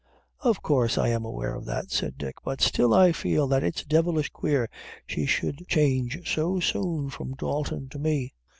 "Of course I am aware of that," said Dick; "but still I feel that it's devilish queer she should change so soon from Dalton to me."